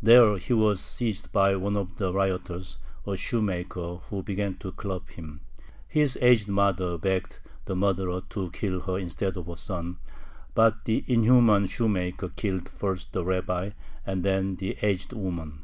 There he was seized by one of the rioters, a shoemaker, who began to club him. His aged mother begged the murderer to kill her instead of her son, but the inhuman shoemaker killed first the rabbi and then the aged woman.